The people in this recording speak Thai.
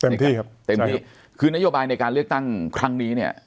มีการแรงของพักชาติอะไรแล้วครับ